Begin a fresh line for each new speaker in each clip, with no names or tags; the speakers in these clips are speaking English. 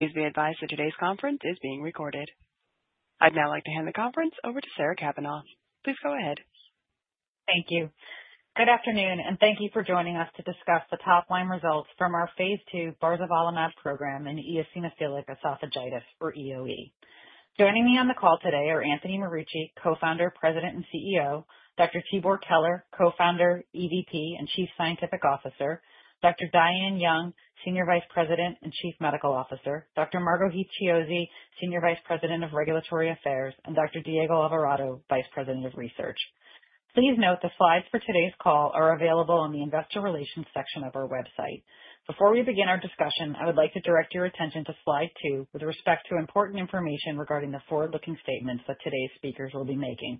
Please be advised that today's conference is being recorded. I'd now like to hand the conference over to Sarah Cavanaugh. Please go ahead. Thank you. Good afternoon, and thank you for joining us to discuss the top-line results from our phase II barzolvolimab program in eosinophilic esophagitis, or EoE. Joining me on the call today are Anthony Marucci, Co-Founder, President and CEO; Dr. Tibor Keler, Co-Founder, EVP and Chief Scientific Officer; Dr. Diane Young, Senior Vice President and Chief Medical Officer; Dr. Margo Heath-Chiozzi, Senior Vice President of Regulatory Affairs; and Dr. Diego Alvarado, Vice President of Research. Please note the slides for today's call are available in the Investor Relations section of our website. Before we begin our discussion, I would like to direct your attention to slide two with respect to important information regarding the forward-looking statements that today's speakers will be making.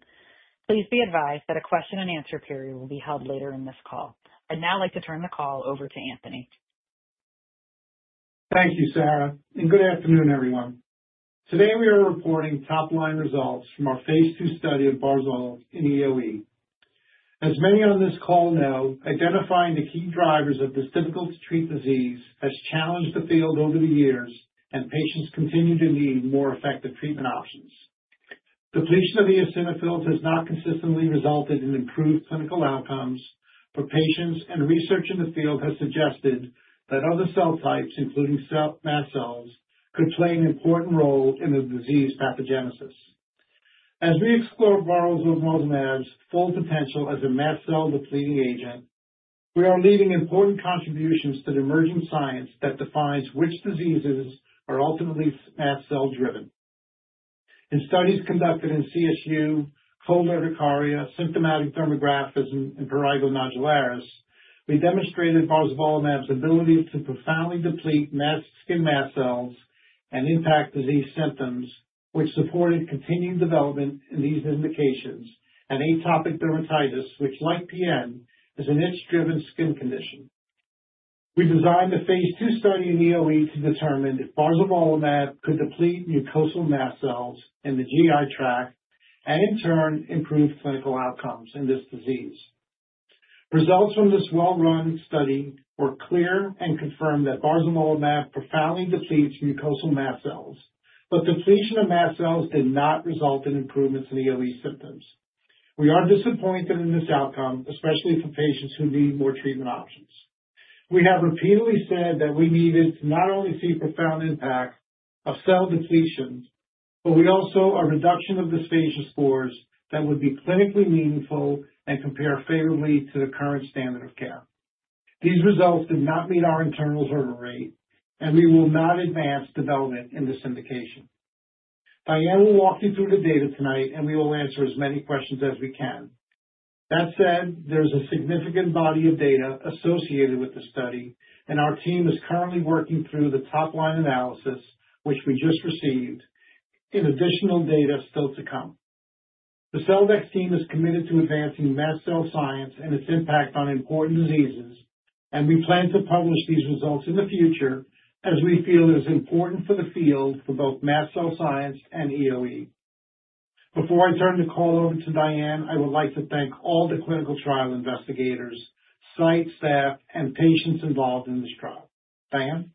Please be advised that a question and answer period will be held later in this call. I'd now like to turn the call over to Anthony.
Thank you, Sarah, and good afternoon, everyone. Today we are reporting top-line results from our phase II study of Barzo in EoE. As many on this call know, identifying the key drivers of this difficult-to-treat disease has challenged the field over the years, and patients continue to need more effective treatment options. The depletion of eosinophils has not consistently resulted in improved clinical outcomes, but patients and research in the field have suggested that other cell types, including mast cells, could play an important role in the disease pathogenesis. As we explore barzolvolimab with more than that full potential as a mast cell inhibiting agent, we are leading important contributions to the emerging science that defines which diseases are ultimately mast cell driven. In studies conducted in chronic spontaneous urticaria, cold urticaria, symptomatic dermographism, and pruritus nodularis, we demonstrated barzolvolimab's ability to profoundly deplete skin mast cells and impact disease symptoms, which supported continued development in these indications and atopic dermatitis, which, like PN, is an itch-driven skin condition. We designed the phase II study in EoE to determine if barzolvolimab could deplete mucosal mast cells in the GI tract and in turn improve clinical outcomes in this disease. Results from this well-run study were clear and confirmed that barzolvolimab profoundly depletes mucosal mast cells, but the depletion of mast cells did not result in improvements in the EoE symptoms. We are disappointed in this outcome, especially for patients who need more treatment options. We have repeatedly said that we needed to not only see profound impact of cell depletion, but also a reduction of the endoscopic scores that would be clinically meaningful and compare favorably to the current standard of care. These results did not meet our internal hurdle rate, and we will not advance development in this indication. Diane will walk you through the data tonight, and we will answer as many questions as we can. That said, there is a significant body of data associated with the study, and our team is currently working through the top-line analysis, which we just received, and additional data still to come. The Celldex team is committed to advancing mast cell science and its impact on important diseases, and we plan to publish these results in the future as we feel it is important for the field for both mast cell science and EoE. Before I turn the call over to Diane, I would like to thank all the clinical trial investigators, site staff, and patients involved in this trial. Diane?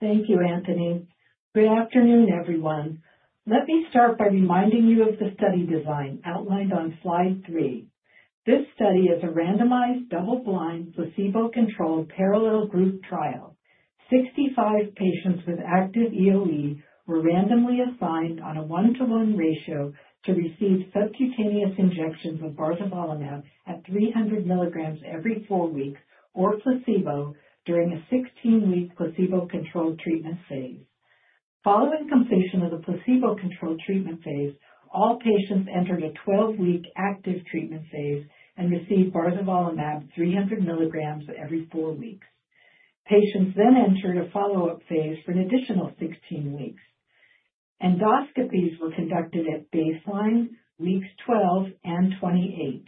Thank you, Anthony. Good afternoon, everyone. Let me start by reminding you of the study design outlined on slide three. This study is a randomized, double-blind, placebo-controlled, parallel group trial. Sixty-five patients with active EoE were randomly assigned on a one-to-one ratio to receive subcutaneous injections of barzolvolimab at 300 mg every four weeks or placebo during a 16-week placebo-controlled treatment phase. Following completion of the placebo-controlled treatment phase, all patients entered a 12-week active treatment phase and received barzolvolimab at 300 mg every four weeks. Patients then entered a follow-up phase for an additional 16 weeks. Endoscopies were conducted at baseline, weeks 12, and 28.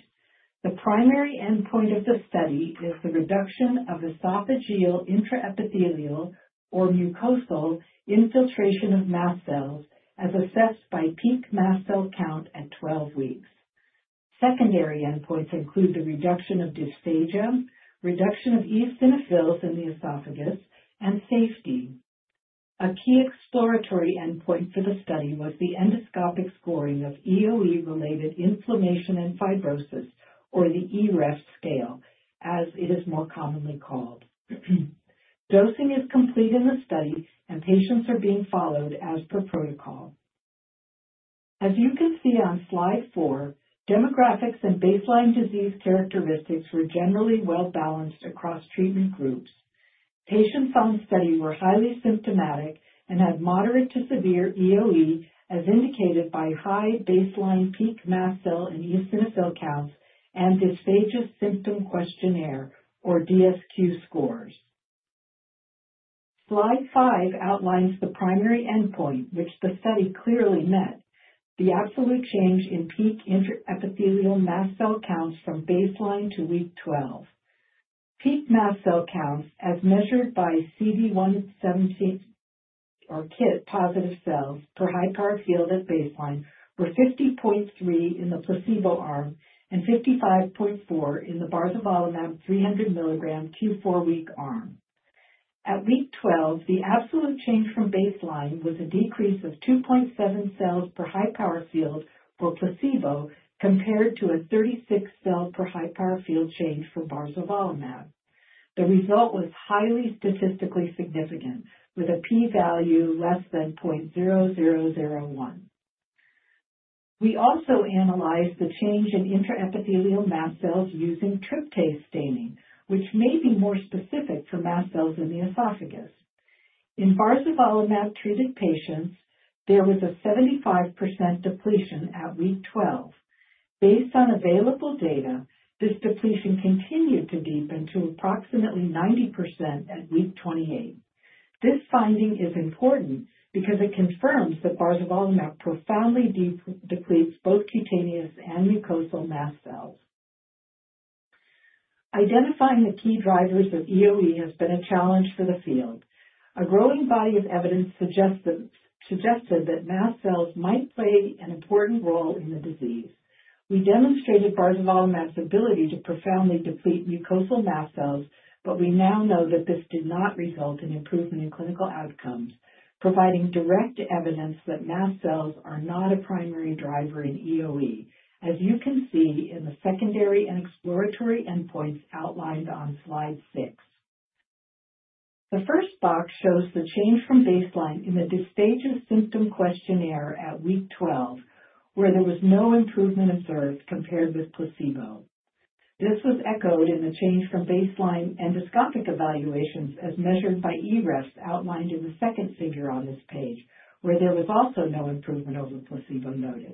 The primary endpoint of the study is the reduction of esophageal intraepithelial or mucosal infiltration of mast cells as assessed by peak mast cell count at 12 weeks. Secondary endpoints include the reduction of dysphagia, reduction of eosinophils in the esophagus, and safety. A key exploratory endpoint for the study was the endoscopic scoring of EoE-related inflammation and fibrosis, or the ERAS scale, as it is more commonly called. Dosing is complete in the study, and patients are being followed as per protocol. As you can see on slide four, demographics and baseline disease characteristics were generally well-balanced across treatment groups. Patients on the study were highly symptomatic and had moderate to severe EoE, as indicated by high baseline peak mast cell and eosinophil counts and dysphagia symptom questionnaire, or DSQ, scores. Slide five outlines the primary endpoint, which the study clearly met: the absolute change in peak intraepithelial mast cell counts from baseline to week 12. Peak mast cell counts, as measured by CD117 or KIT positive cells per high power field at baseline, were 50.3 in the placebo arm and 55.4 in the barzolvolimab at 300 mg every four weeks arm. At week 12, the absolute change from baseline was a decrease of 2.7 cells per high power field for placebo compared to a 36 cell per high power field change from barzolvolimab. The result was highly statistically significant, with a p-value less than 0.0001. We also analyzed the change in intraepithelial mast cells using tryptase staining, which may be more specific to mast cells in the esophagus. In barzolvolimab treated patients, there was a 75% depletion at week 12. Based on available data, this depletion continued to deepen to approximately 90% at week 28. This finding is important because it confirms that barzolvolimab profoundly depletes both cutaneous and mucosal mast cells. Identifying the key drivers of EoE has been a challenge for the field. A growing body of evidence suggested that mast cells might play an important role in the disease. We demonstrated barzolvolimab's ability to profoundly deplete mucosal mast cells, but we now know that this did not result in improvement in clinical outcomes, providing direct evidence that mast cells are not a primary driver in EoE, as you can see in the secondary and exploratory endpoints outlined on slide six. The first box shows the change from baseline in the dysphagia symptom questionnaire at week 12, where there was no improvement observed compared with placebo. This was echoed in the change from baseline endoscopic evaluations, as measured by endoscopic scores outlined in the second figure on this page, where there was also no improvement over placebo noted.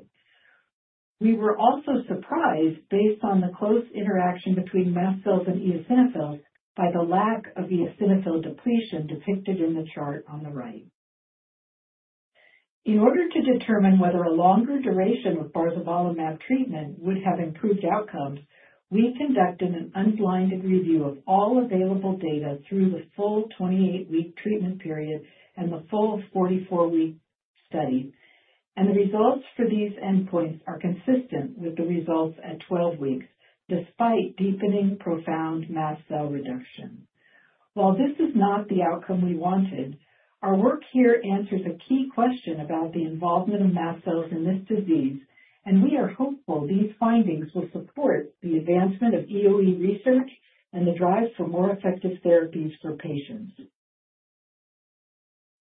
We were also surprised, based on the close interaction between mast cells and eosinophils, by the lack of eosinophil depletion depicted in the chart on the right. In order to determine whether a longer duration of barzolvolimab treatment would have improved outcomes, we conducted an unblinded review of all available data through the full 28-week treatment period and the full 44-week study, and the results for these endpoints are consistent with the results at 12 weeks, despite deepening profound mast cell reduction. While this is not the outcome we wanted, our work here answers a key question about the involvement of mast cells in this disease, and we are hopeful these findings will support the advancement of EoE research and the drive for more effective therapies for patients.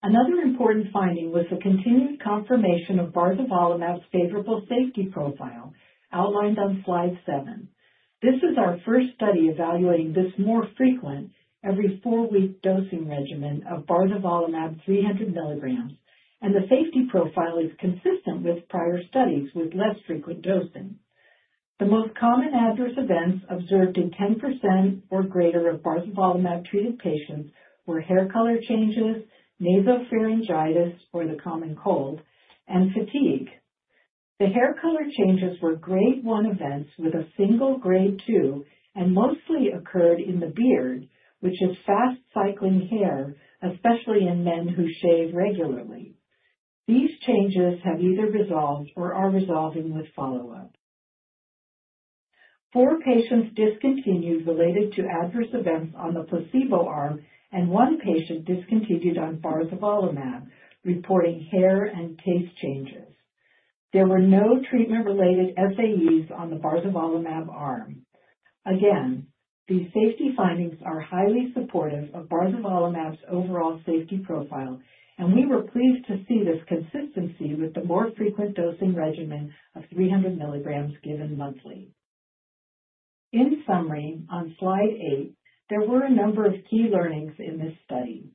Another important finding was the continued confirmation of barzolvolimab's favorable safety profile outlined on slide seven. This is our first study evaluating this more frequent every four-week dosing regimen of barzolvolimab at 300 mg, and the safety profile is consistent with prior studies with less frequent dosing. The most common adverse events observed in 10% or greater of barzolvolimab treated patients were hair color changes, nasopharyngitis, or the common cold, and fatigue. The hair color changes were grade one events with a single grade two and mostly occurred in the beard, which is fast cycling hair, especially in men who shave regularly. These changes have either resolved or are resolving with follow-up. Four patients discontinued related to adverse events on the placebo arm, and one patient discontinued on barzolvolimab, reporting hair and face changes. There were no treatment-related FAEs on the barzolvolimab arm. Again, these safety findings are highly supportive of barzolvolimab's overall safety profile, and we were pleased to see this consistency with the more frequent dosing regimen of 300 mg given monthly. In summary, on slide eight, there were a number of key learnings in this study.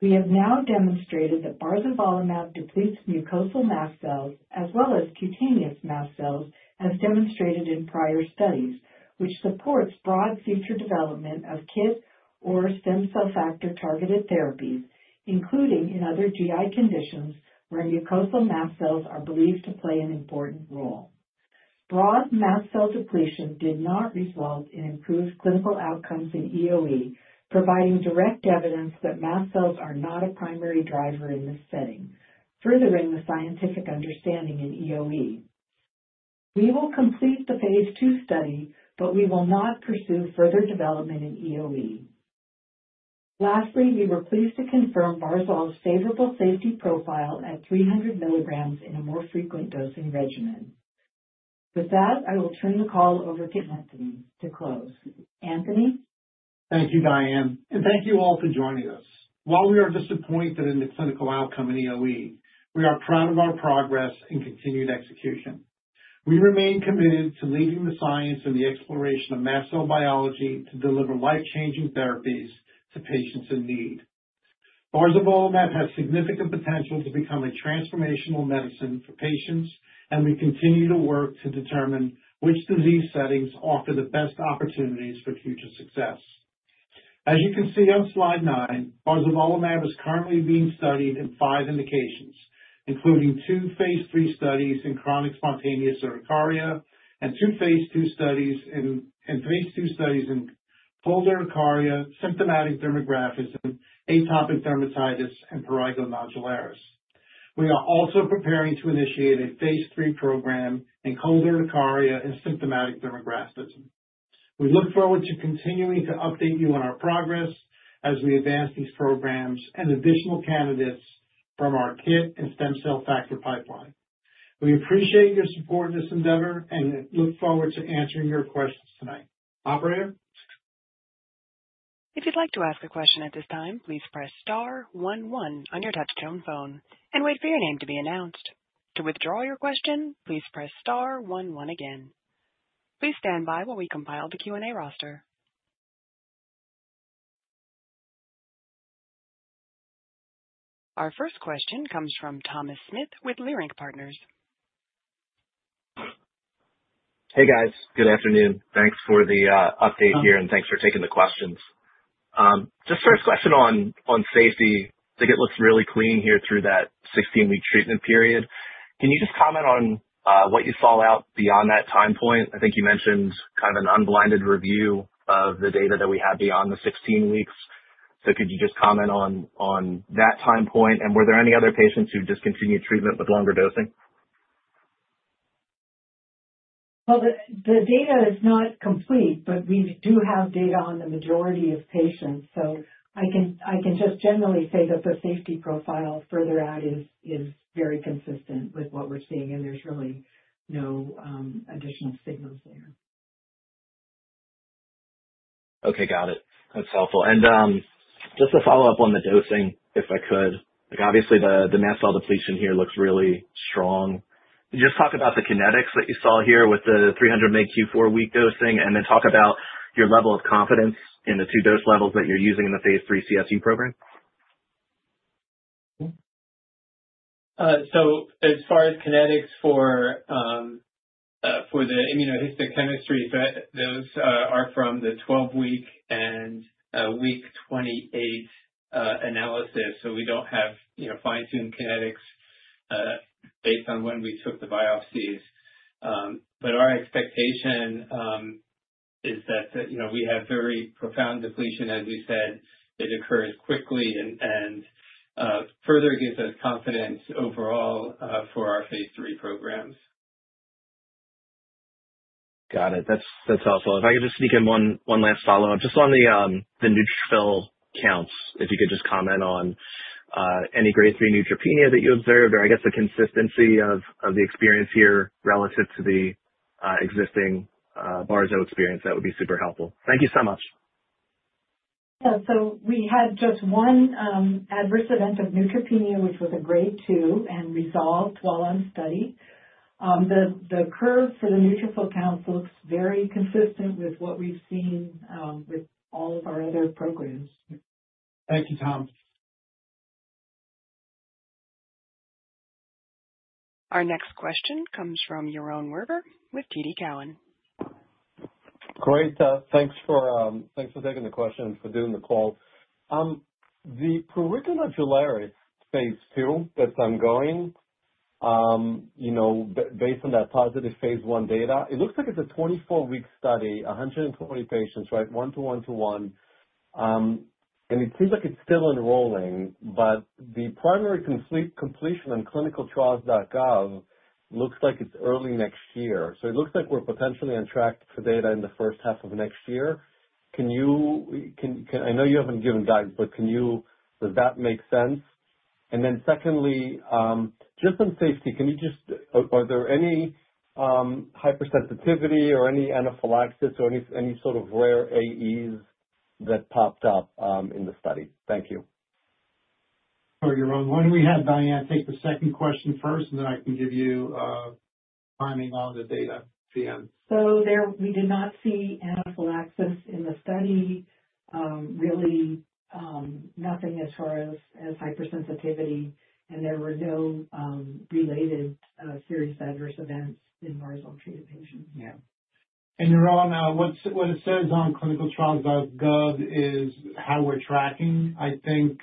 We have now demonstrated that barzolvolimab depletes mucosal mast cells as well as cutaneous mast cells, as demonstrated in prior studies, which supports broad future development of KIT or stem cell factor-targeted therapies, including in other GI conditions where mucosal mast cells are believed to play an important role. Broad mast cell depletion did not result in improved clinical outcomes in EoE, providing direct evidence that mast cells are not a primary driver in this setting, furthering the scientific understanding in EoE. We will complete the phase II study, but we will not pursue further development in EoE. Lastly, we were pleased to confirm barzolvolimab's favorable safety profile at 300 mg in a more frequent dosing regimen. With that, I will turn the call over to Anthony to close. Anthony?
Thank you, Diane, and thank you all for joining us. While we are disappointed in the clinical outcome in EoE, we are proud of our progress and continued execution. We remain committed to leading the science and the exploration of mast cell biology to deliver life-changing therapies to patients in need. Barzolvolimab has significant potential to become a transformational medicine for patients, and we continue to work to determine which disease settings offer the best opportunities for future success. As you can see on slide nine, barzolvolimab is currently being studied in five indications, including two phase III studies in chronic spontaneous urticaria, and two phase II studies in cold urticaria, symptomatic dermographism, atopic dermatitis, and pruritus nodularis. We are also preparing to initiate a phase III program in cold urticaria and symptomatic dermographism. We look forward to continuing to update you on our progress as we advance these programs and additional candidates from our KIT and stem cell factor pipeline. We appreciate your support in this endeavor and look forward to answering your questions tonight. Operator?
If you'd like to ask a question at this time, please press Star, one, one on your touch-tone phone and wait for your name to be announced. To withdraw your question, please press Star, one, one again. Please stand by while we compile the Q&A roster. Our first question comes from Thomas Smith with Leerink Partners.
Hey guys, good afternoon. Thanks for the update here and thanks for taking the questions. The first question on safety, I think it looks really clean here through that 16-week treatment period. Can you just comment on what you saw out beyond that time point? I think you mentioned kind of an unblinded review of the data that we had beyond the 16 weeks. Could you just comment on that time point and were there any other patients who discontinued treatment with longer dosing?
The data is not complete, but we do have data on the majority of patients, so I can just generally say that the safety profile further out is very consistent with what we're seeing, and there's really no additional signals there.
Okay, got it. That's helpful. Just to follow up on the dosing, if I could, obviously the mast cell depletion here looks really strong. Could you talk about the kinetics that you saw here with the 300 mg q4 week dosing, and then talk about your level of confidence in the two dose levels that you're using in the phase III CSU program?
As far as kinetics for the immunohistochemistry, those are from the 12-week and week 28 analysis. We don't have fine-tuned kinetics based on when we took the biopsies, but our expectation is that we have very profound depletion. As you said, it occurs quickly and further gives us confidence overall for our phase III programs.
Got it. That's helpful. If I could just sneak in one last follow-up just on the neutrophil count, if you could just comment on any grade 3 neutropenia that you observed or I guess the consistency of the experience here relative to the existing bars of experience, that would be super helpful. Thank you so much.
Yeah, we had just one adverse event of neutropenia, which was a grade 2 and resolved while on study. The curve for the neutrophil counts looks very consistent with what we've seen with all of our other programs.
Thank you, Tom.
Our next question comes from Yaron Werber with TD Cowen.
Great. Thanks for taking the question and for doing the call. The pruritus nodularis phase II, it's ongoing. Based on that positive phase 1 data, it looks like it's a 24-week study, 120 patients, right? One to one to one. It seems like it's still enrolling, but the primary completion on clinicaltrials.gov looks like it's early next year. It looks like we're potentially on track for data in the first half of next year. Can you, I know you haven't given that, but can you, does that make sense? Secondly, just on safety, are there any hypersensitivity or any anaphylaxis or any sort of rare AEs that popped up in the study? Thank you.
Sorry, Jaron, why don't we have Diane take the second question first, and then I can give you a timing on the data at the end.
We did not see anaphylaxis in the study. Really, nothing as far as hypersensitivity, and there were no related serious adverse events in marginal treatment patients.
Yeah. Yaron, what it says on clinicaltrials.gov is how we're tracking. I think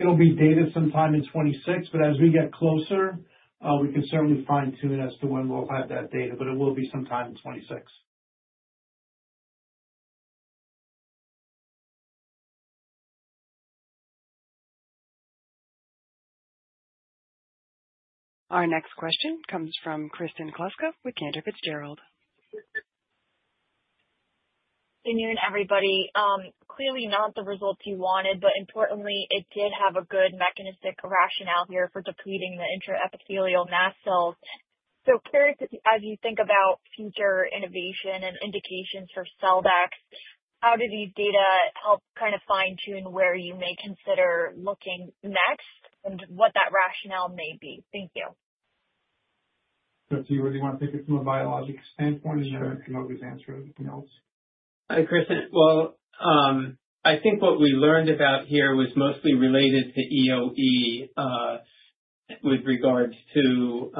it'll be data sometime in 2026, but as we get closer, we can certainly fine-tune as to when we'll have that data. It will be sometime in 2026.
Our next question comes from Kristen Kleska with Cantor Fitzgerald.
Good noon, everybody. Clearly not the results you wanted, but importantly, it did have a good mechanistic rationale here for depleting the intraepithelial mast cells. Curious, as you think about future innovation and indications for Celldex, how do these data help kind of fine-tune where you may consider looking next and what that rationale may be? Thank you.
Kristen, you really want to take it from a biologic standpoint, and you have an emergency answer or anything else?
Hi Kristen. I think what we learned about here was mostly related to EoE with regards to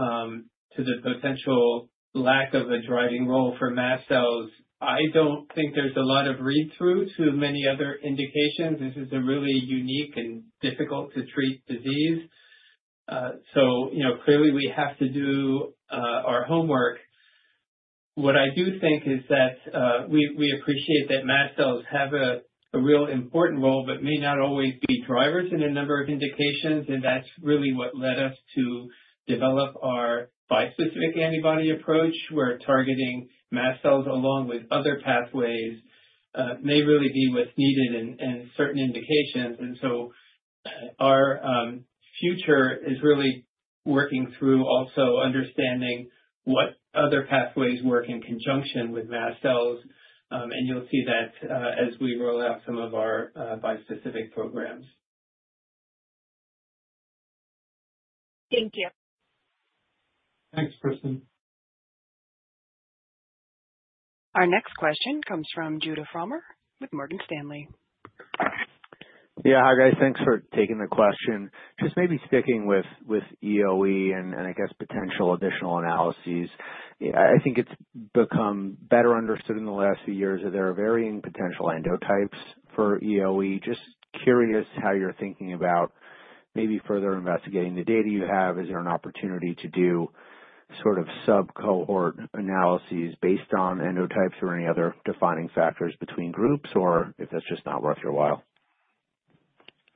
the potential lack of a driving role for mast cells. I don't think there's a lot of read-through through many other indications. This is a really unique and difficult-to-treat disease. Clearly we have to do our homework. What I do think is that we appreciate that mast cells have a real important role, but may not always be drivers in a number of indications, and that's really what led us to develop our bispecific antibody approach. We're targeting mast cells along with other pathways. It may really be what's needed in certain indications. Our future is really working through also understanding what other pathways work in conjunction with mast cells, and you'll see that as we roll out some of our bispecific programs.
Thank you.
Thanks, Kristen.
Our next question comes from Judah Frommer with Morgan Stanley.
Yeah, hi guys, thanks for taking the question. Maybe sticking with EoE and I guess potential additional analyses. I think it's become better understood in the last few years that there are varying potential endotypes for EoE. Just curious how you're thinking about maybe further investigating the data you have. Is there an opportunity to do sort of sub-cohort analyses based on endotypes or any other defining factors between groups,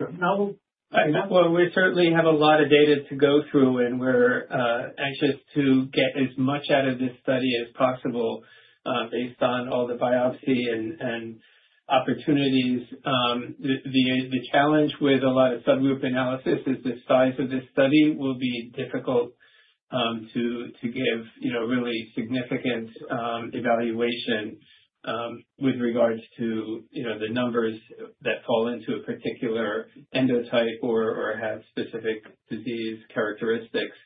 or if that's just not worth your while?
I know we certainly have a lot of data to go through, and we're anxious to get as much out of this study as possible based on all the biopsy and opportunities. The challenge with a lot of subgroup analysis is the size of this study will be difficult to give really significant evaluation with regards to the numbers that fall into a particular endotype or have specific disease characteristics.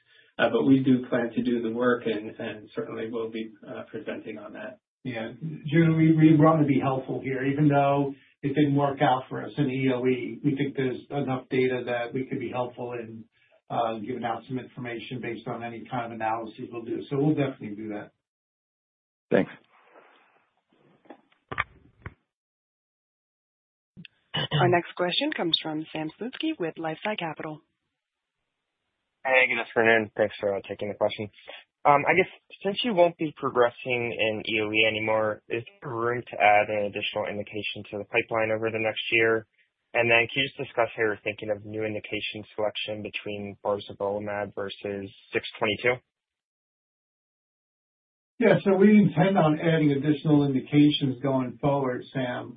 We do plan to do the work and certainly will be presenting on that.
Yeah, Judah, we'd rather be helpful here. Even though if it didn't work out for us in EoE, we think there's enough data that we could be helpful in giving out some information based on any kind of analysis we'll do. We'll definitely do that.
Thanks.
Our next question comes from Sam Slutsky with LifeSci Capital.
Hi, good afternoon. Thanks for taking the question. I guess since you won't be progressing in EoE anymore, is there room to add an additional indication to the pipeline over the next year? Can you just discuss how you're thinking of new indication selection between barzolvolimab versus CDX-622?
Yeah, we intend on adding additional indications going forward, Sam.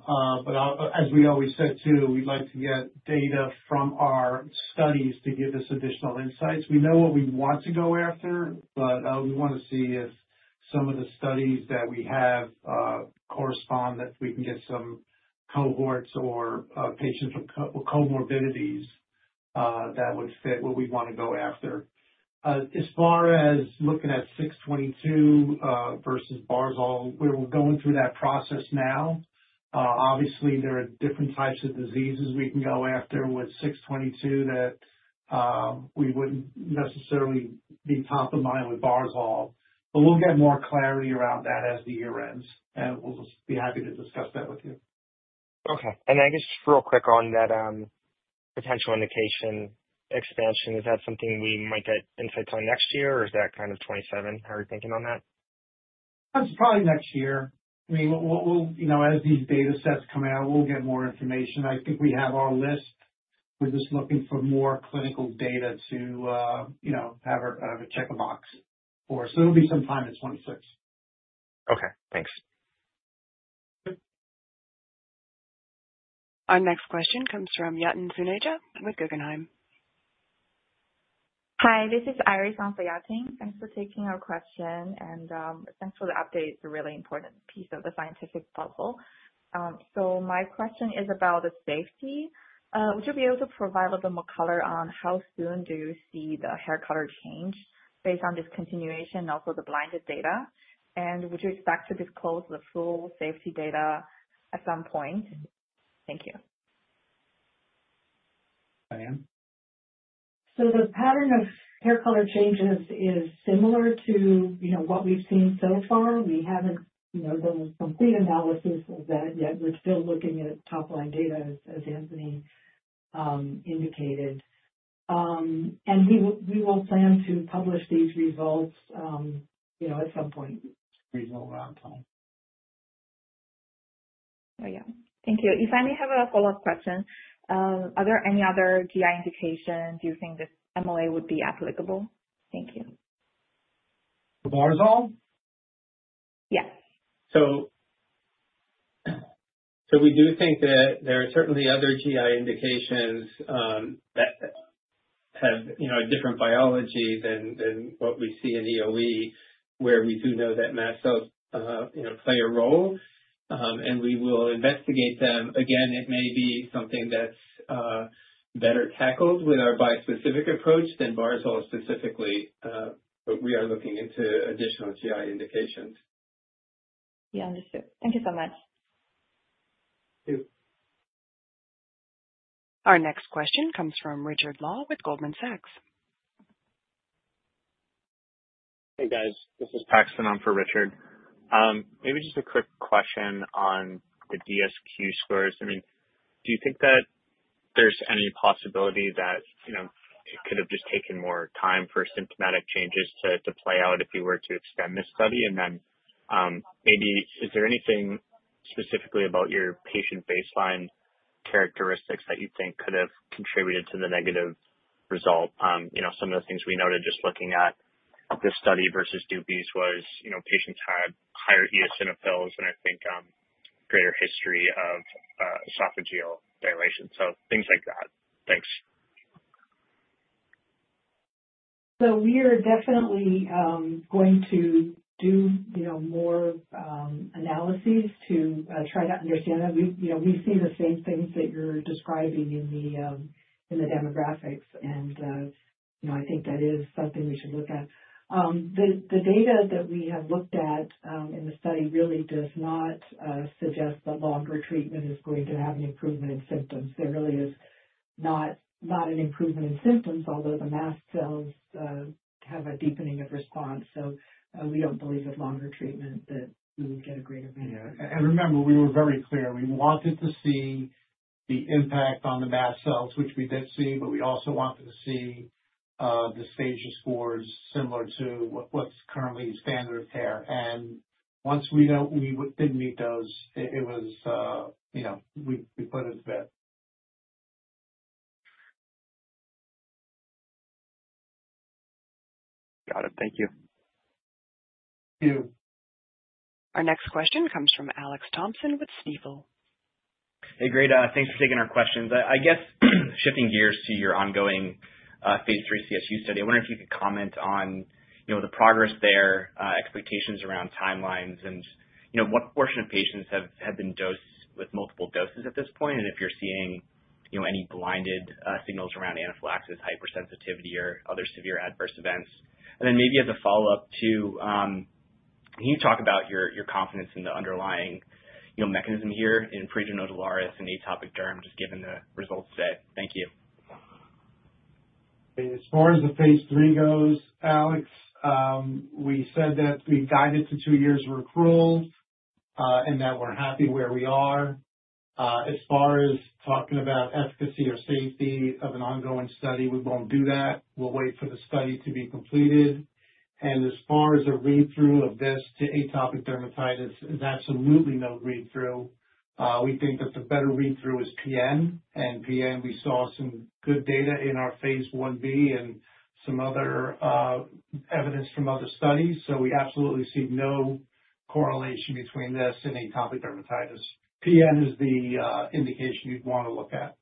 As we always said too, we'd like to get data from our studies to give us additional insights. We know what we want to go after, but we want to see if some of the studies that we have correspond, that we can get some cohorts or patients with comorbidities that would fit what we want to go after. As far as looking at CDX-622 versus barzo, we're going through that process now. Obviously, there are different types of diseases we can go after with CDX-622 that wouldn't necessarily be top of mind with barzo, but we'll get more clarity around that as the year ends, and we'll just be happy to discuss that with you.
Okay. I guess just real quick on that potential indication expansion, is that something we might get insights on next year, or is that kind of 2027? How are you thinking on that?
That's probably next year. As these data sets come out, we'll get more information. I think we have our list. We're just looking for more clinical data to have a check of box for us. It'll be sometime in 2026.
Okay, thanks.
Our next question comes from Yatin Suneja with Guggenheim.
Hi, this is Iris on for Yatin. Thanks for taking our question and thanks for the update. It's a really important piece of the scientific bubble. My question is about the safety. Would you be able to provide a little bit more color on how soon do you see the hair color change based on this continuation of the blinded data? Would you expect to disclose the full safety data at some point? Thank you.
Diane?
The pattern of hair color changes is similar to what we've seen so far. We haven't done a complete analysis of that yet. We're still looking at top-line data as Anthony indicated, and we will plan to publish these results at some point.
Thank you. If I may have a follow-up question, are there any other GI indications you think this MOA would be applicable? Thank you.
For barzo?
Yes.
We do think that there are certainly other GI indications that have a different biology than what we see in EoE where we do know that mast cells play a role. We will investigate them. It may be something that's better tackled with our bispecific approach than barzo specifically, but we are looking into additional GI indications.
Yeah, understood. Thank you so much.
Our next question comes from Richard Law with Goldman Sachs.
Hey guys, this is Patterson on for Richard. Maybe just a quick question on the DSQ scores. Do you think that there's any possibility that it could have just taken more time for symptomatic changes to play out if you were to extend this study? Is there anything specifically about your patient baseline characteristics that you think could have contributed to the negative result? Some of the things we noted just looking at this study versus DBIs was patients had higher eosinophils and I think greater history of esophageal dilation. Things like that. Thanks.
We are definitely going to do more analyses to try to understand. We see the same things that you're describing in the demographics, and I think that is something we should look at. The data that we have looked at in the study really does not suggest that longer treatment is going to have an improvement in symptoms. There really is not an improvement in symptoms, although the mast cells have a deepening of response. We don't believe that longer treatment gets a greater benefit.
I remember we were very clear. We wanted to see the impact on the mast cells, which we did see, but we also wanted to see the stages for similar to what's currently standard of care. Once we know we didn't meet those, it was, you know, we put it to bed.
Got it. Thank you.
Thank you.
Our next question comes from Alex Thompson with Stifel.
Hey, great. Thanks for taking our questions. I guess shifting gears to your ongoing phase III CSU study, I wonder if you could comment on the progress there, expectations around timelines, and what portion of patients have been dosed with multiple doses at this point? If you're seeing any blinded signals around anaphylaxis, hypersensitivity, or other severe adverse events. Maybe as a follow-up too, can you talk about your confidence in the underlying mechanism here in pruritus nodularis and atopic derm, just given the results today? Thank you.
As far as the phase III goes, Alex, we said that we've got it to two years' rolls and that we're happy where we are. As far as talking about efficacy or safety of an ongoing study, we won't do that. We'll wait for the study to be completed. As far as a read-through of this to atopic dermatitis, that's absolutely no read-through. We think that the better read-through is PN. PN, we saw some good data in our phase 1b and some other evidence from other studies. We absolutely see no correlation between this and atopic dermatitis. PN is the indication you'd want to look at.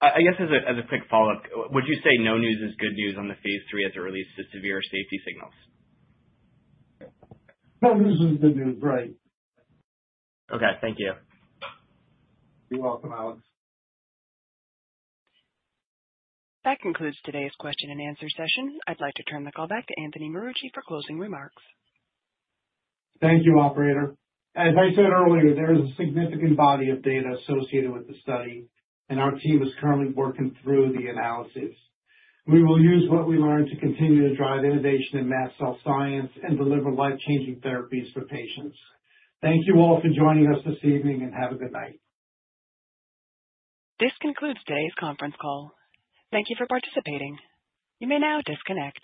I guess as a quick follow-up, would you say no news is good news on the phase III as it relates to severe safety signals?
No news is good news, right?
Okay, thank you.
You're welcome, Alex.
That concludes today's question-and-answer session. I'd like to turn the call back to Anthony Marucci for closing remarks.
Thank you, operator. As I said earlier, there's a significant body of data associated with the study, and our team is currently working through the analysis. We will use what we learn to continue to drive innovation in mast cell science and deliver life-changing therapies for patients. Thank you all for joining us this evening and have a good night.
This concludes today's conference call. Thank you for participating. You may now disconnect.